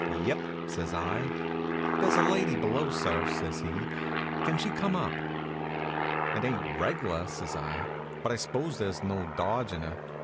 "Yep," says I. "There's a lady below, sir," says he. "Can she come up?" "It ain't reg'lar," says I, "but I s'pose there's no dodgin' her.